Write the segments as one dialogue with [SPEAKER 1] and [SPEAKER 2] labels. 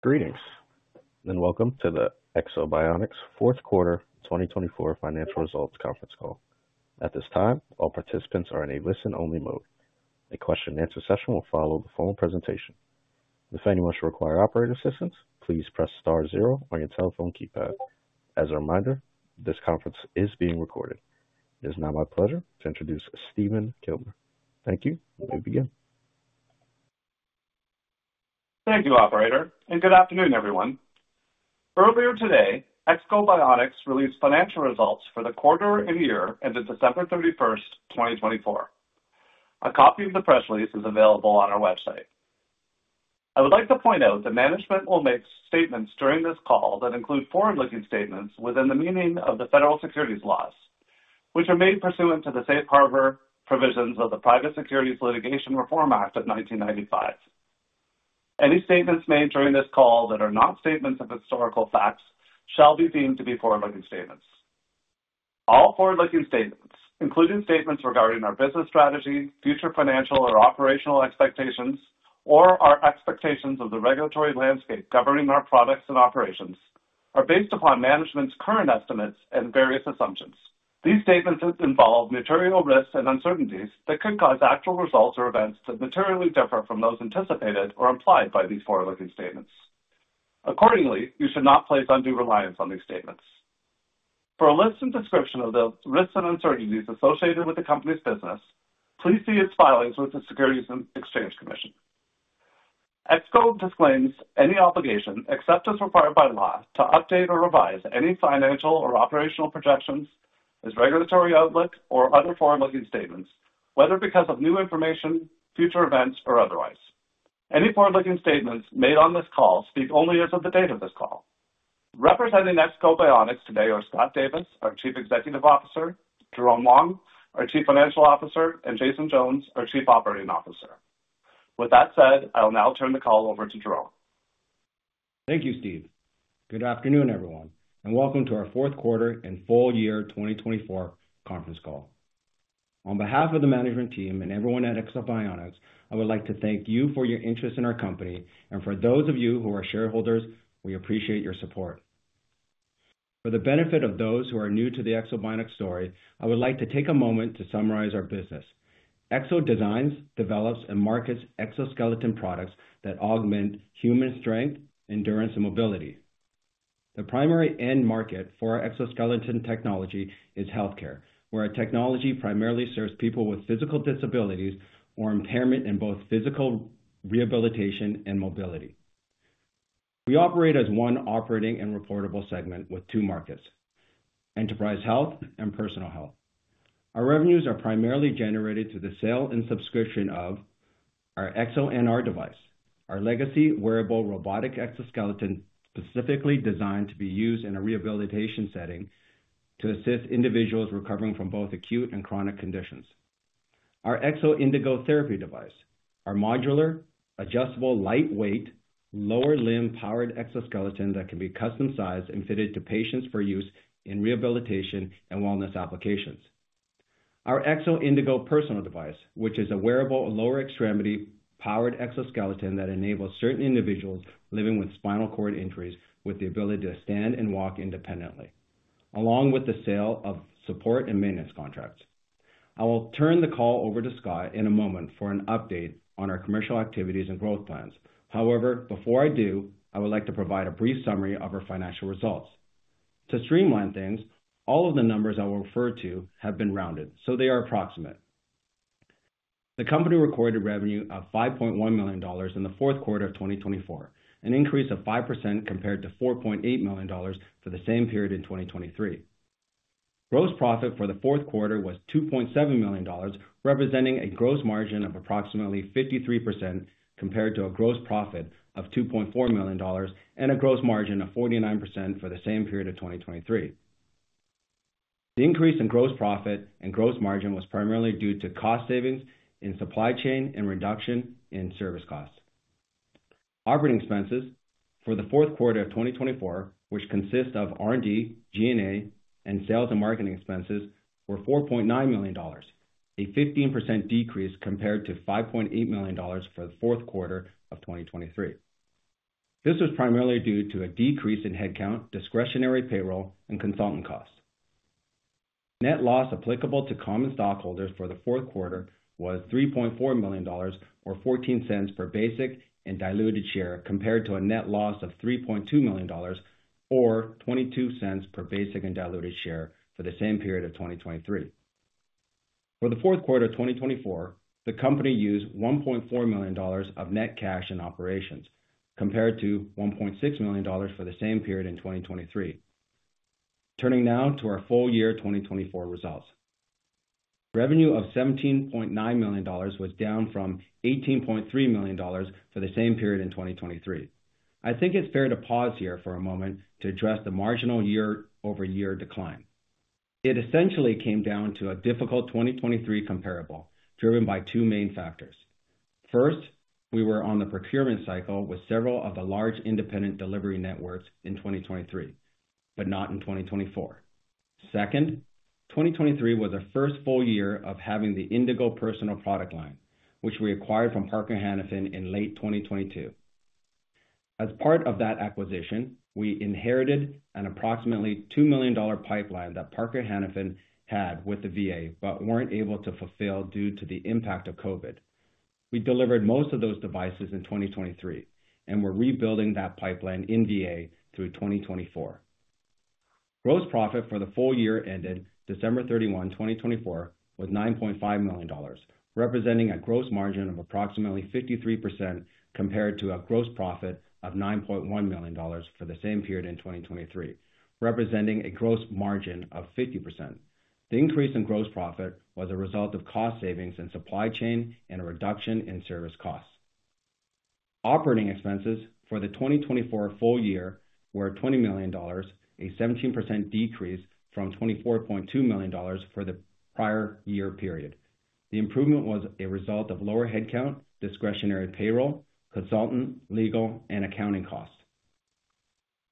[SPEAKER 1] Greetings, and welcome to the Ekso Bionics fourth quarter 2024 financial results conference call. At this time, all participants are in a listen-only mode. A question and answer session will follow the full presentation. If anyone should require operator assistance, please press star zero on your telephone keypad. As a reminder, this conference is being recorded. It is now my pleasure to introduce Stephen Kilmer. Thank you, and we begin.
[SPEAKER 2] Thank you, Operator, and good afternoon, everyone. Earlier today, Ekso Bionics released financial results for the quarter and year ended December 31st, 2024. A copy of the press release is available on our website. I would like to point out that management will make statements during this call that include forward-looking statements within the meaning of the federal securities laws, which are made pursuant to the safe harbor provisions of the Private Securities Litigation Reform Act of 1995. Any statements made during this call that are not statements of historical facts shall be deemed to be forward-looking statements. All forward-looking statements, including statements regarding our business strategy, future financial or operational expectations, or our expectations of the regulatory landscape governing our products and operations, are based upon management's current estimates and various assumptions. These statements involve material risks and uncertainties that could cause actual results or events to materially differ from those anticipated or implied by these forward-looking statements. Accordingly, you should not place undue reliance on these statements. For a list and description of the risks and uncertainties associated with the company's business, please see its filings with the Securities and Exchange Commission. Ekso Bionics disclaims any obligation, except as required by law, to update or revise any financial or operational projections, its regulatory outlook, or other forward-looking statements, whether because of new information, future events, or otherwise. Any forward-looking statements made on this call speak only as of the date of this call. Representing Ekso Bionics today are Scott Davis, our Chief Executive Officer; Jerome Wong, our Chief Financial Officer; and Jason Jones, our Chief Operating Officer. With that said, I'll now turn the call over to Jerome.
[SPEAKER 3] Thank you, Stephen. Good afternoon, everyone, and welcome to our fourth quarter and full-year 2024 conference call. On behalf of the management team and everyone at Ekso Bionics, I would like to thank you for your interest in our company, and for those of you who are shareholders, we appreciate your support. For the benefit of those who are new to the Ekso Bionics story, I would like to take a moment to summarize our business. Ekso designs, develops, and markets exoskeleton products that augment human strength, endurance, and mobility. The primary end market for our exoskeleton technology is healthcare, where our technology primarily serves people with physical disabilities or impairment in both physical rehabilitation and mobility. We operate as one operating and reportable segment with two markets: enterprise health and personal health. Our revenues are primarily generated through the sale and subscription of our EksoNR device, our legacy wearable robotic exoskeleton specifically designed to be used in a rehabilitation setting to assist individuals recovering from both acute and chronic conditions. Our Ekso Indego Therapy device, our modular, adjustable, lightweight, lower limb powered exoskeleton that can be custom sized and fitted to patients for use in rehabilitation and wellness applications. Our Ekso Indego Personal device, which is a wearable lower extremity powered exoskeleton that enables certain individuals living with spinal cord injuries the ability to stand and walk independently, along with the sale of support and maintenance contracts. I will turn the call over to Scott in a moment for an update on our commercial activities and growth plans. However, before I do, I would like to provide a brief summary of our financial results. To streamline things, all of the numbers I will refer to have been rounded, so they are approximate. The company recorded revenue of $5.1 million in the fourth quarter of 2024, an increase of 5% compared to $4.8 million for the same period in 2023. Gross profit for the fourth quarter was $2.7 million, representing a gross margin of approximately 53% compared to a gross profit of $2.4 million and a gross margin of 49% for the same period of 2023. The increase in gross profit and gross margin was primarily due to cost savings in supply chain and reduction in service costs. Operating expenses for the fourth quarter of 2024, which consist of R&D, G&A, and sales and marketing expenses, were $4.9 million, a 15% decrease compared to $5.8 million for the fourth quarter of 2023. This was primarily due to a decrease in headcount, discretionary payroll, and consultant costs. Net loss applicable to common stockholders for the fourth quarter was $3.4 million, or $0.14 per basic and diluted share, compared to a net loss of $3.2 million, or $0.22 per basic and diluted share for the same period of 2023. For the fourth quarter of 2024, the company used $1.4 million of net cash in operations, compared to $1.6 million for the same period in 2023. Turning now to our full year 2024 results, revenue of $17.9 million was down from $18.3 million for the same period in 2023. I think it's fair to pause here for a moment to address the marginal year-over-year decline. It essentially came down to a difficult 2023 comparable driven by two main factors. First, we were on the procurement cycle with several of the large independent delivery networks in 2023, but not in 2024. Second, 2023 was the first full year of having the Indego Personal product line, which we acquired from Parker Hannifin in late 2022. As part of that acquisition, we inherited an approximately $2 million pipeline that Parker Hannifin had with the VA but were not able to fulfill due to the impact of COVID. We delivered most of those devices in 2023 and were rebuilding that pipeline in VA through 2024. Gross profit for the full year ended December 31, 2024, was $9.5 million, representing a gross margin of approximately 53% compared to a gross profit of $9.1 million for the same period in 2023, representing a gross margin of 50%. The increase in gross profit was a result of cost savings in supply chain and a reduction in service costs. Operating expenses for the 2024 full year were $20 million, a 17% decrease from $24.2 million for the prior year period. The improvement was a result of lower headcount, discretionary payroll, consultant, legal, and accounting costs.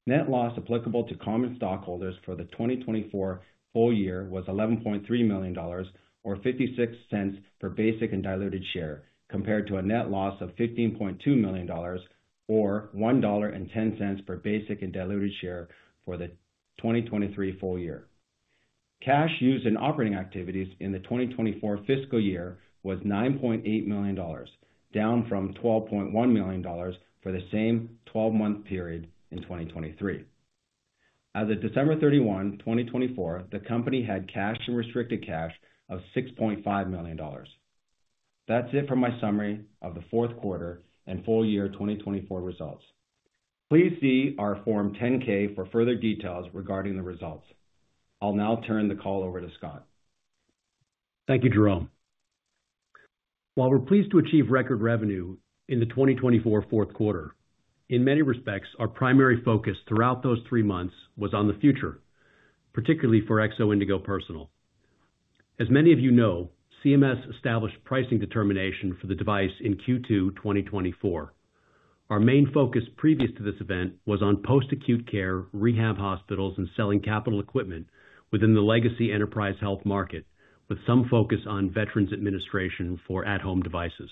[SPEAKER 3] Net loss applicable to common stockholders for the 2024 full year was $11.3 million, or $0.56 per basic and diluted share, compared to a net loss of $15.2 million, or $1.10 per basic and diluted share for the 2023 full year. Cash used in operating activities in the 2024 fiscal year was $9.8 million, down from $12.1 million for the same 12-month period in 2023. As of December 31, 2024, the company had cash and restricted cash of $6.5 million. That's it for my summary of the fourth quarter and full-year 2024 results. Please see our Form 10-K for further details regarding the results. I'll now turn the call over to Scott.
[SPEAKER 4] Thank you, Jerome. While we're pleased to achieve record revenue in the 2024 fourth quarter, in many respects, our primary focus throughout those three months was on the future, particularly for Ekso Indego Personal. As many of you know, CMS established pricing determination for the device in Q2 2024. Our main focus previous to this event was on post-acute care, rehab hospitals, and selling capital equipment within the legacy enterprise health market, with some focus on Veterans Administration for at-home devices.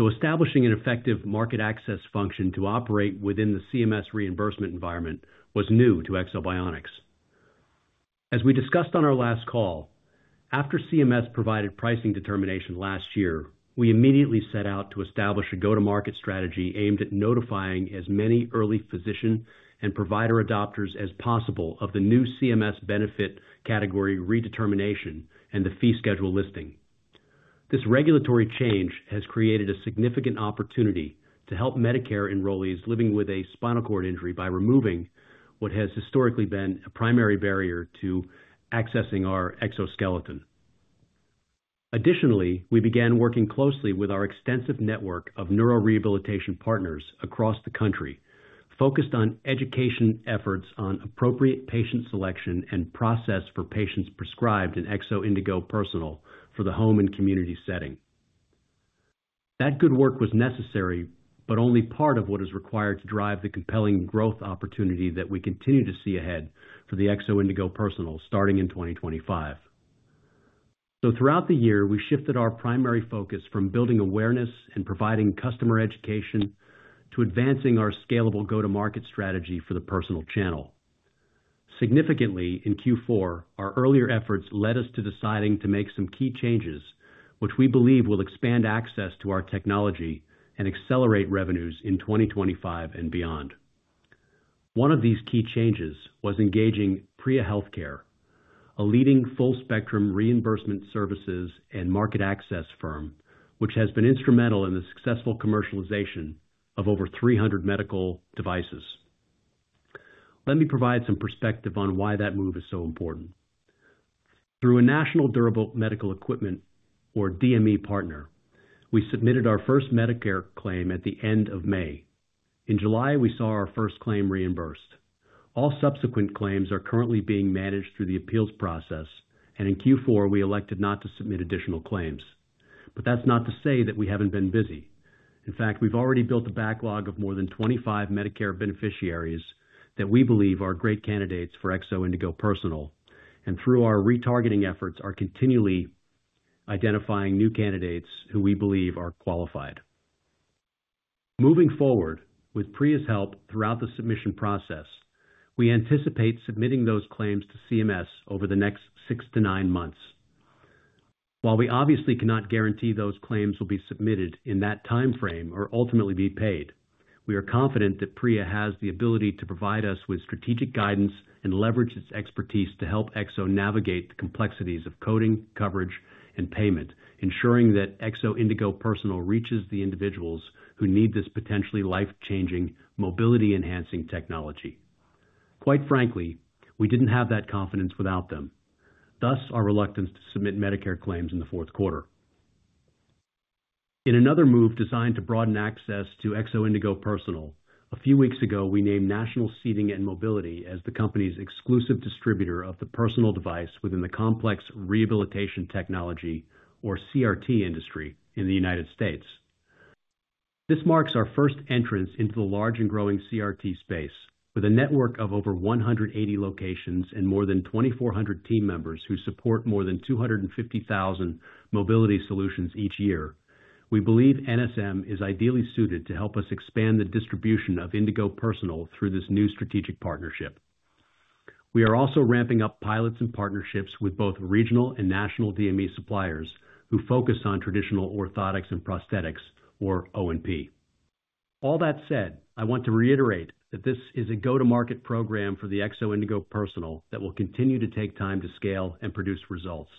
[SPEAKER 4] Establishing an effective market access function to operate within the CMS reimbursement environment was new to Ekso Bionics. As we discussed on our last call, after CMS provided pricing determination last year, we immediately set out to establish a go-to-market strategy aimed at notifying as many early physician and provider adopters as possible of the new CMS benefit category redetermination and the fee schedule listing. This regulatory change has created a significant opportunity to help Medicare enrollees living with a spinal cord injury by removing what has historically been a primary barrier to accessing our exoskeleton. Additionally, we began working closely with our extensive network of neurorehabilitation partners across the country, focused on education efforts on appropriate patient selection and process for patients prescribed Ekso Indego Personal for the home and community setting. That good work was necessary, but only part of what is required to drive the compelling growth opportunity that we continue to see ahead for the Ekso Indego Personal starting in 2025. Throughout the year, we shifted our primary focus from building awareness and providing customer education to advancing our scalable go-to-market strategy for the personal channel. Significantly, in Q4, our earlier efforts led us to deciding to make some key changes, which we believe will expand access to our technology and accelerate revenues in 2025 and beyond. One of these key changes was engaging PRIA Healthcare, a leading full-spectrum reimbursement services and market access firm, which has been instrumental in the successful commercialization of over 300 medical devices. Let me provide some perspective on why that move is so important. Through a national durable medical equipment, or DME partner, we submitted our first Medicare claim at the end of May. In July, we saw our first claim reimbursed. All subsequent claims are currently being managed through the appeals process, and in Q4, we elected not to submit additional claims. That is not to say that we have not been busy. In fact, we've already built a backlog of more than 25 Medicare beneficiaries that we believe are great candidates for Ekso Indego Personal, and through our retargeting efforts, are continually identifying new candidates who we believe are qualified. Moving forward, with PRIA's help throughout the submission process, we anticipate submitting those claims to CMS over the next six to nine months. While we obviously cannot guarantee those claims will be submitted in that timeframe or ultimately be paid, we are confident that PRIA has the ability to provide us with strategic guidance and leverage its expertise to help Ekso navigate the complexities of coding, coverage, and payment, ensuring that Ekso Indego Personal reaches the individuals who need this potentially life-changing mobility-enhancing technology. Quite frankly, we didn't have that confidence without them, thus our reluctance to submit Medicare claims in the fourth quarter. In another move designed to broaden access to Ekso Indego Personal, a few weeks ago, we named National Seating & Mobility as the company's exclusive distributor of the personal device within the complex rehabilitation technology, or CRT industry in the United States. This marks our first entrance into the large and growing CRT space. With a network of over 180 locations and more than 2,400 team members who support more than 250,000 mobility solutions each year, we believe NSM is ideally suited to help us expand the distribution of Indego Personal through this new strategic partnership. We are also ramping up pilots and partnerships with both regional and national DME suppliers who focus on traditional orthotics and prosthetics, or O&P. All that said, I want to reiterate that this is a go-to-market program for the Ekso Indego Personal that will continue to take time to scale and produce results.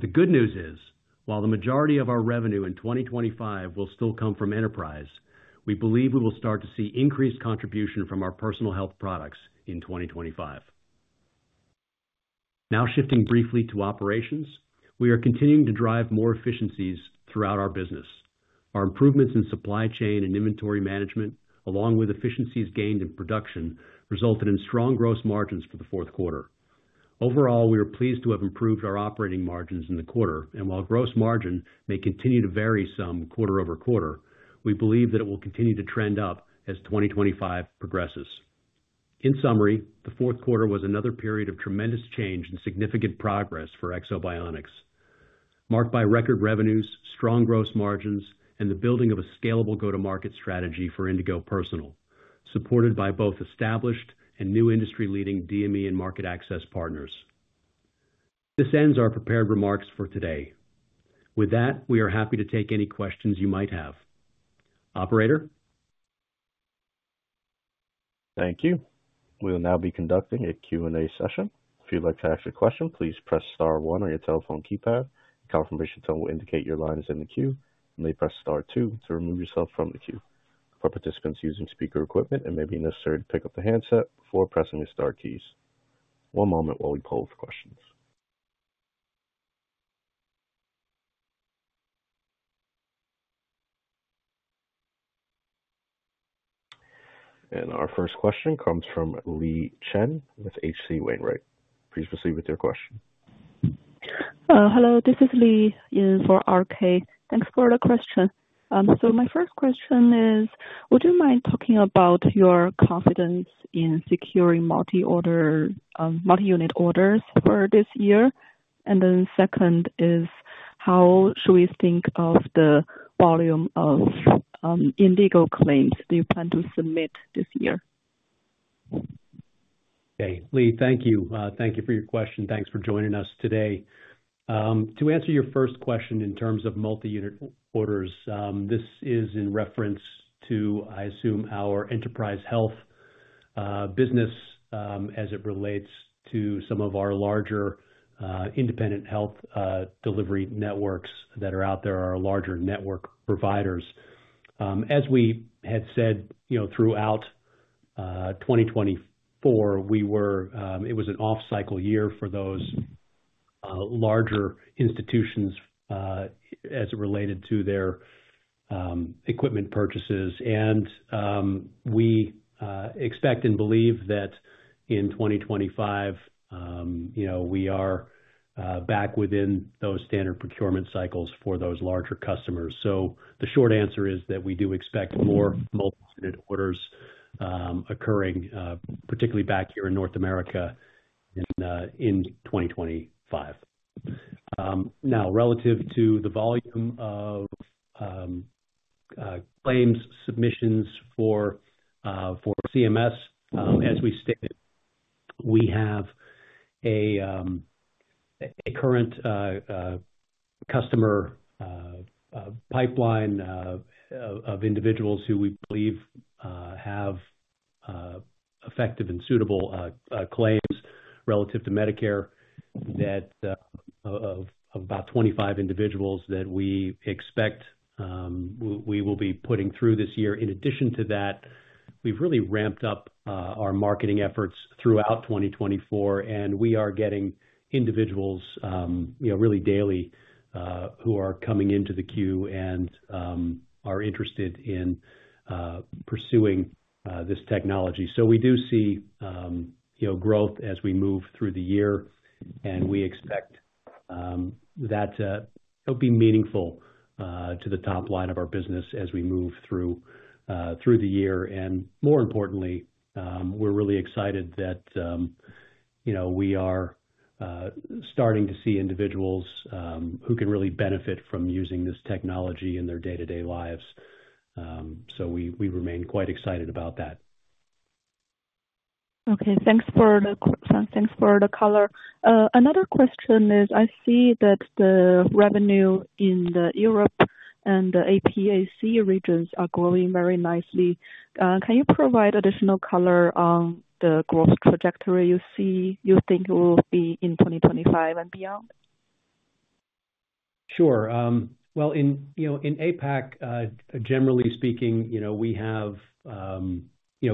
[SPEAKER 4] The good news is, while the majority of our revenue in 2025 will still come from enterprise, we believe we will start to see increased contribution from our personal health products in 2025. Now shifting briefly to operations, we are continuing to drive more efficiencies throughout our business. Our improvements in supply chain and inventory management, along with efficiencies gained in production, resulted in strong gross margins for the fourth quarter. Overall, we are pleased to have improved our operating margins in the quarter, and while gross margin may continue to vary some quarter over quarter, we believe that it will continue to trend up as 2025 progresses. In summary, the fourth quarter was another period of tremendous change and significant progress for Ekso Bionics, marked by record revenues, strong gross margins, and the building of a scalable go-to-market strategy for Ekso Indego Personal, supported by both established and new industry-leading DME and market access partners. This ends our prepared remarks for today. With that, we are happy to take any questions you might have. Operator?
[SPEAKER 1] Thank you. We will now be conducting a Q&A session. If you'd like to ask a question, please press star one on your telephone keypad. A confirmation tone will indicate your line is in the queue, and then press star two to remove yourself from the queue. For participants using speaker equipment, it may be necessary to pick up the handset before pressing the star keys. One moment while we poll for questions. Our first question comes from Yi Chen with H.C. Wainwright. Please proceed with your question.
[SPEAKER 5] Hello, this is Li for RK. Thanks for the question. My first question is, would you mind talking about your confidence in securing multi-unit orders for this year? Second, how should we think of the volume of Indego claims that you plan to submit this year?
[SPEAKER 4] Okay. Li, thank you. Thank you for your question. Thanks for joining us today. To answer your first question in terms of multi-unit orders, this is in reference to, I assume, our enterprise health business as it relates to some of our larger independent health delivery networks that are out there, our larger network providers. As we had said throughout 2024, it was an off-cycle year for those larger institutions as it related to their equipment purchases. We expect and believe that in 2025, we are back within those standard procurement cycles for those larger customers. The short answer is that we do expect more multi-unit orders occurring, particularly back here in North America in 2025. Now, relative to the volume of claims submissions for CMS, as we stated, we have a current customer pipeline of individuals who we believe have effective and suitable claims relative to Medicare that of about 25 individuals that we expect we will be putting through this year. In addition to that, we've really ramped up our marketing efforts throughout 2024, and we are getting individuals really daily who are coming into the queue and are interested in pursuing this technology. We do see growth as we move through the year, and we expect that it'll be meaningful to the top line of our business as we move through the year. More importantly, we're really excited that we are starting to see individuals who can really benefit from using this technology in their day-to-day lives. We remain quite excited about that.
[SPEAKER 5] Okay. Thanks for the answer. Thanks for the color. Another question is, I see that the revenue in the Europe and the APAC regions are growing very nicely. Can you provide additional color on the growth trajectory you think will be in 2025 and beyond?
[SPEAKER 4] Sure. In APAC, generally speaking, we have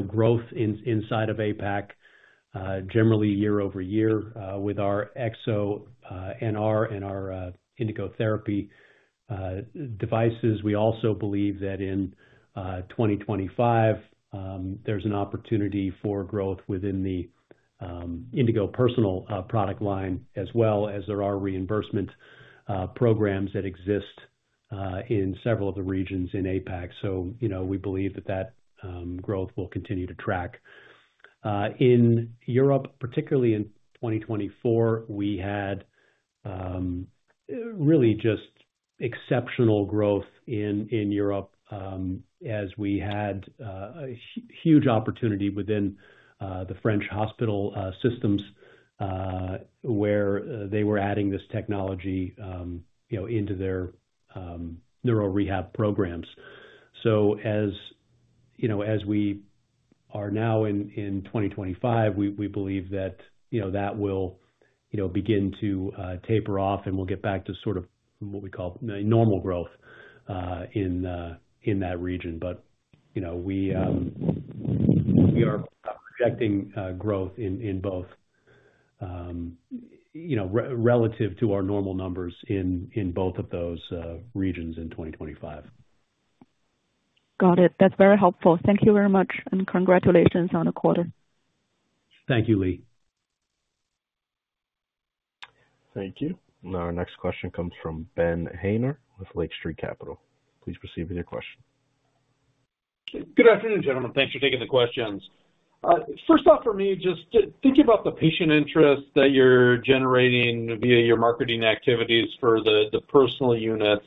[SPEAKER 4] growth inside of APAC, generally year over year, with our EksoNR and our Ekso Indego Therapy devices. We also believe that in 2025, there's an opportunity for growth within the Ekso Indego Personal product line, as well as there are reimbursement programs that exist in several of the regions in APAC. We believe that that growth will continue to track. In Europe, particularly in 2024, we had really just exceptional growth in Europe as we had a huge opportunity within the French hospital systems where they were adding this technology into their neuro rehab programs. As we are now in 2025, we believe that that will begin to taper off, and we'll get back to sort of what we call normal growth in that region. We are projecting growth in both relative to our normal numbers in both of those regions in 2025.
[SPEAKER 5] Got it. That's very helpful. Thank you very much, and congratulations on the quarter.
[SPEAKER 4] Thank you, Li.
[SPEAKER 1] Thank you. Our next question comes from Ben Haynor with Lake Street Capital. Please proceed with your question.
[SPEAKER 6] Good afternoon, gentlemen. Thanks for taking the questions. First off, for me, just thinking about the patient interest that you're generating via your marketing activities for the personal units,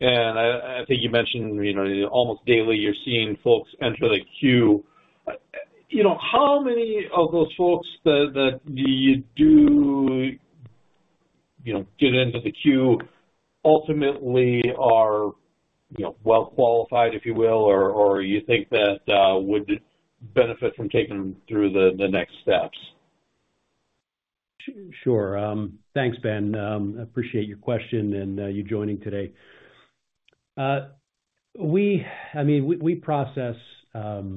[SPEAKER 6] and I think you mentioned almost daily you're seeing folks enter the queue. How many of those folks that you do get into the queue ultimately are well-qualified, if you will, or you think that would benefit from taking them through the next steps?
[SPEAKER 4] Sure. Thanks, Ben. I appreciate your question and you joining today. I mean, we process a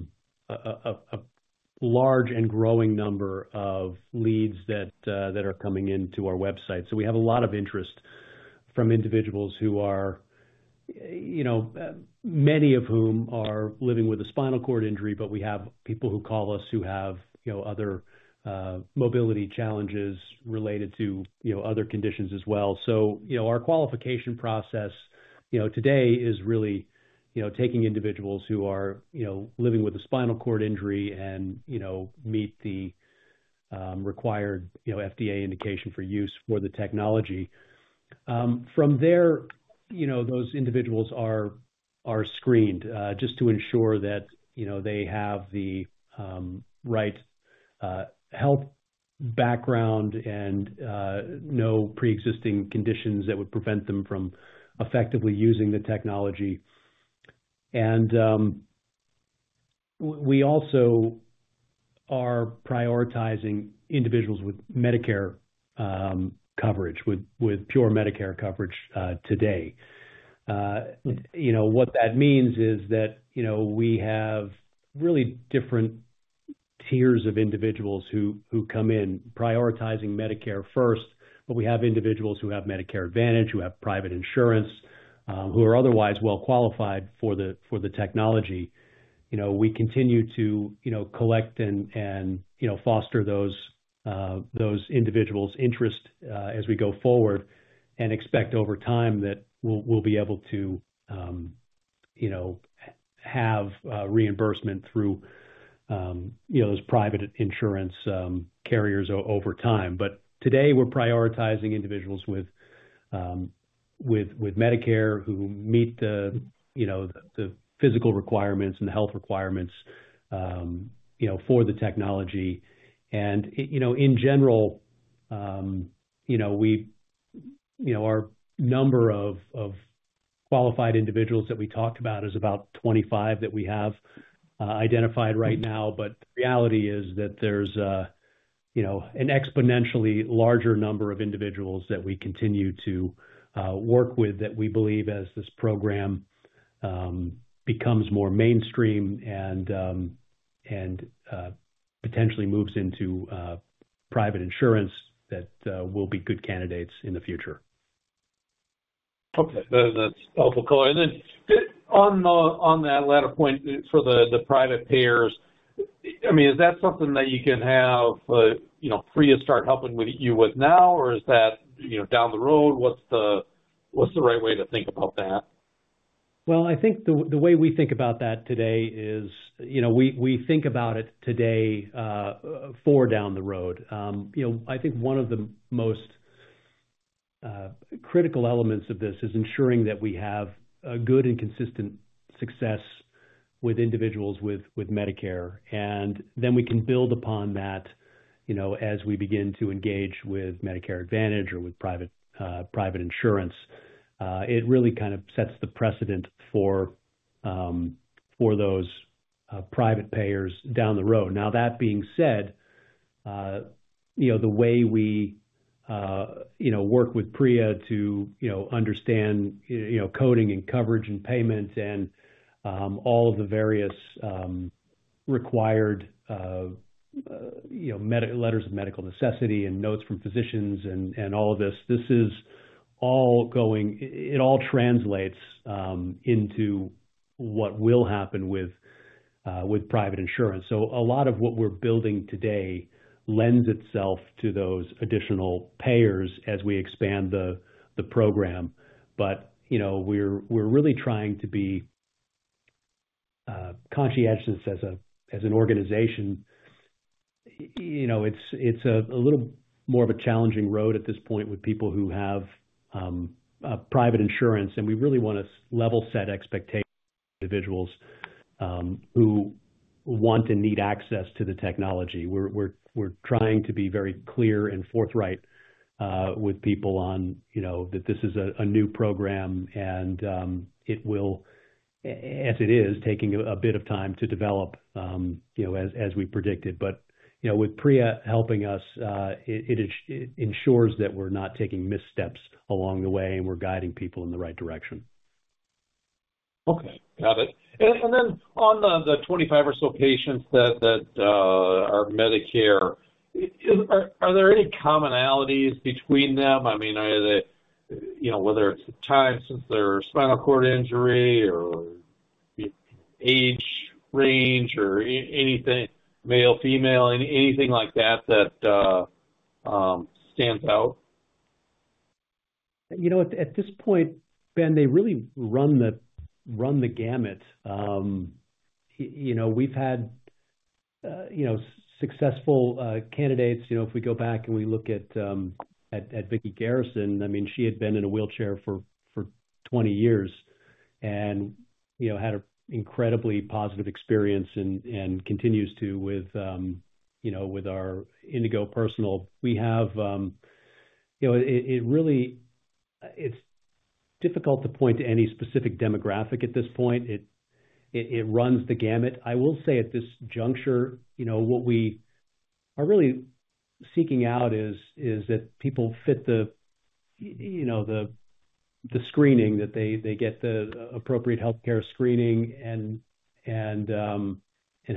[SPEAKER 4] large and growing number of leads that are coming into our website. We have a lot of interest from individuals who are, many of whom are living with a spinal cord injury, but we have people who call us who have other mobility challenges related to other conditions as well. Our qualification process today is really taking individuals who are living with a spinal cord injury and meet the required FDA indication for use for the technology. From there, those individuals are screened just to ensure that they have the right health background and no pre-existing conditions that would prevent them from effectively using the technology. We also are prioritizing individuals with Medicare coverage, with pure Medicare coverage today. What that means is that we have really different tiers of individuals who come in prioritizing Medicare first, but we have individuals who have Medicare Advantage, who have private insurance, who are otherwise well-qualified for the technology. We continue to collect and foster those individuals' interest as we go forward and expect over time that we'll be able to have reimbursement through those private insurance carriers over time. Today, we're prioritizing individuals with Medicare who meet the physical requirements and the health requirements for the technology. In general, our number of qualified individuals that we talked about is about 25 that we have identified right now. The reality is that there's an exponentially larger number of individuals that we continue to work with that we believe as this program becomes more mainstream and potentially moves into private insurance that will be good candidates in the future.
[SPEAKER 6] Okay. That's helpful color. And then on that latter point for the private payers, I mean, is that something that you can have PRIA start helping you with now, or is that down the road? What's the right way to think about that?
[SPEAKER 4] I think the way we think about that today is we think about it today for down the road. I think one of the most critical elements of this is ensuring that we have a good and consistent success with individuals with Medicare, and then we can build upon that as we begin to engage with Medicare Advantage or with private insurance. It really kind of sets the precedent for those private payers down the road. That being said, the way we work with PRIA to understand coding and coverage and payment and all of the various required letters of medical necessity and notes from physicians and all of this, this is all going it all translates into what will happen with private insurance. A lot of what we're building today lends itself to those additional payers as we expand the program. We are really trying to be conscientious as an organization. It is a little more of a challenging road at this point with people who have private insurance, and we really want to level set expectations. Individuals who want and need access to the technology. We are trying to be very clear and forthright with people on that this is a new program and it will, as it is, taking a bit of time to develop as we predicted. With PRIA helping us, it ensures that we are not taking missteps along the way and we are guiding people in the right direction.
[SPEAKER 6] Okay. Got it. On the 25 or so patients that are Medicare, are there any commonalities between them? I mean, whether it's time since their spinal cord injury or age range or anything, male, female, anything like that that stands out?
[SPEAKER 4] You know, at this point, Ben, they really run the gamut. We've had successful candidates. If we go back and we look at Vicky Garrison, I mean, she had been in a wheelchair for 20 years and had an incredibly positive experience and continues to with our Ekso Indego Personal. We have it really it's difficult to point to any specific demographic at this point. It runs the gamut. I will say at this juncture, what we are really seeking out is that people fit the screening, that they get the appropriate healthcare screening and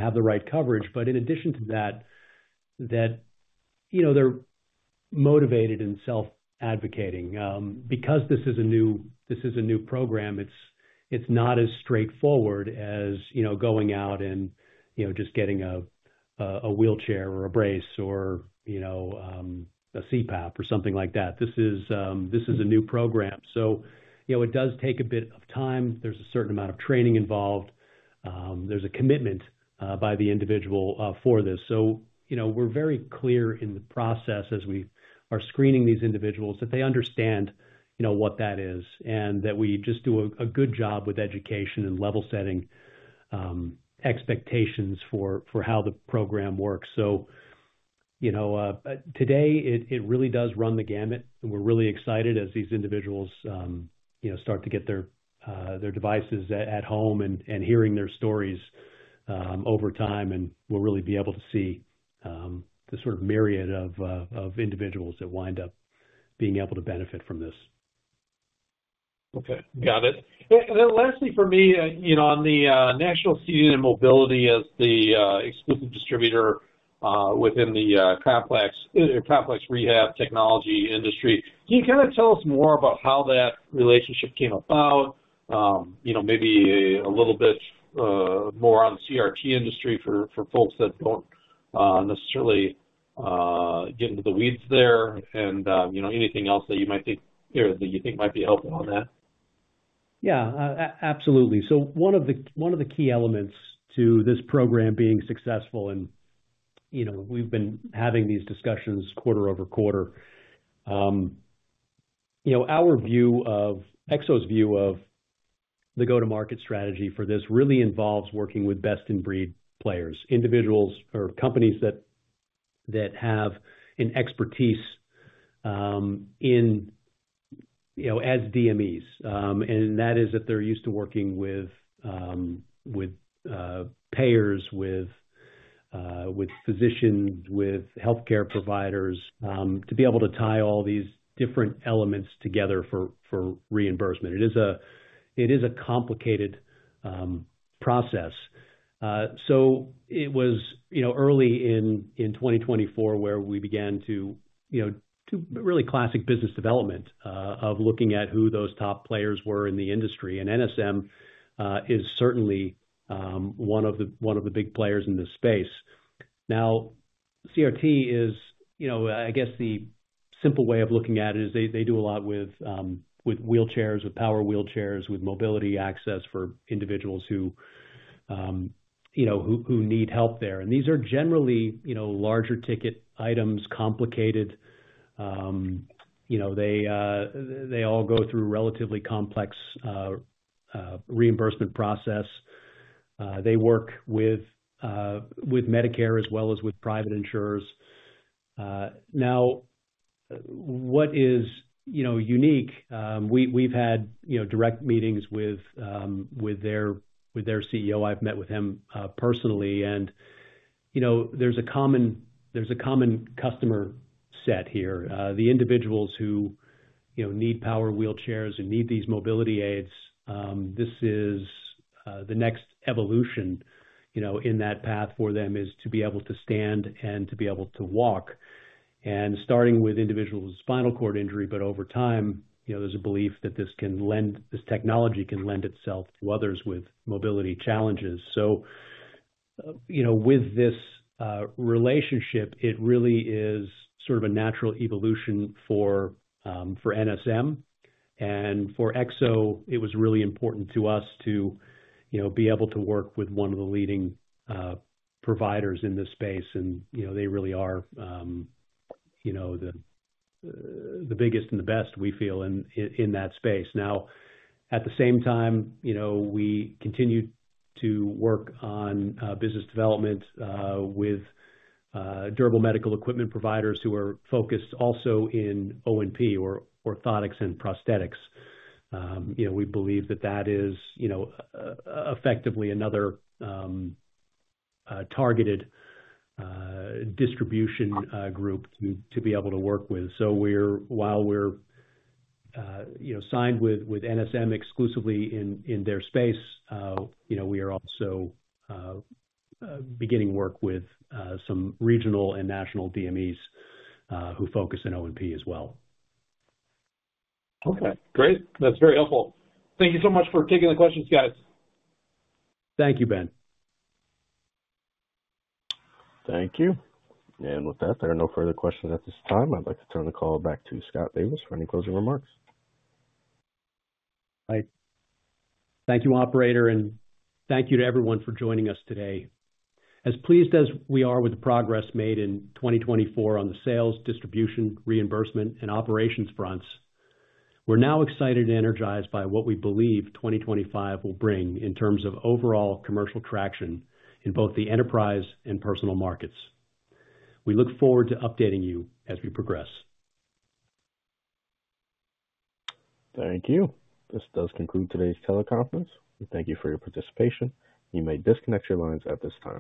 [SPEAKER 4] have the right coverage. In addition to that, that they're motivated and self-advocating. Because this is a new program, it's not as straightforward as going out and just getting a wheelchair or a brace or a CPAP or something like that. This is a new program. It does take a bit of time. is a certain amount of training involved. There is a commitment by the individual for this. We are very clear in the process as we are screening these individuals that they understand what that is and that we just do a good job with education and level setting expectations for how the program works. Today, it really does run the gamut, and we are really excited as these individuals start to get their devices at home and hearing their stories over time, and we will really be able to see the sort of myriad of individuals that wind up being able to benefit from this.
[SPEAKER 6] Okay. Got it. Lastly, for me, on the National Seating & Mobility as the exclusive distributor within the complex rehab technology industry, can you kind of tell us more about how that relationship came about? Maybe a little bit more on the CRT industry for folks that do not necessarily get into the weeds there and anything else that you might think that you think might be helpful on that.
[SPEAKER 4] Yeah. Absolutely. One of the key elements to this program being successful, and we've been having these discussions quarter-over-quarter, our view of Ekso's view of the go-to-market strategy for this really involves working with best-in-breed players, individuals or companies that have an expertise as DMEs. That is that they're used to working with payers, with physicians, with healthcare providers. To be able to tie all these different elements together for reimbursement. It is a complicated process. It was early in 2024 where we began to really classic business development of looking at who those top players were in the industry. NSM is certainly one of the big players in this space. Now, CRT is, I guess, the simple way of looking at it is they do a lot with wheelchairs, with power wheelchairs, with mobility access for individuals who need help there. These are generally larger ticket items, complicated. They all go through a relatively complex reimbursement process. They work with Medicare as well as with private insurers. What is unique? We've had direct meetings with their CEO. I've met with him personally. There's a common customer set here. The individuals who need power wheelchairs and need these mobility aids, this is the next evolution in that path for them, to be able to stand and to be able to walk. Starting with individuals with spinal cord injury, but over time, there's a belief that this technology can lend itself to others with mobility challenges. With this relationship, it really is sort of a natural evolution for National Seating & Mobility. For Ekso, it was really important to us to be able to work with one of the leading providers in this space. They really are the biggest and the best, we feel, in that space. At the same time, we continue to work on business development with durable medical equipment providers who are focused also in O&P or orthotics and prosthetics. We believe that that is effectively another targeted distribution group to be able to work with. While we're signed with National Seating & Mobility exclusively in their space, we are also beginning work with some regional and national DMEs who focus on O&P as well.
[SPEAKER 6] Okay. Great. That's very helpful. Thank you so much for taking the questions, guys.
[SPEAKER 4] Thank you, Ben.
[SPEAKER 1] Thank you. With that, there are no further questions at this time. I'd like to turn the call back to Scott Davis for any closing remarks.
[SPEAKER 4] Thank you, Operator. Thank you to everyone for joining us today. As pleased as we are with the progress made in 2024 on the sales, distribution, reimbursement, and operations fronts, we're now excited and energized by what we believe 2025 will bring in terms of overall commercial traction in both the enterprise and personal markets. We look forward to updating you as we progress.
[SPEAKER 1] Thank you. This does conclude today's teleconference. We thank you for your participation. You may disconnect your lines at this time.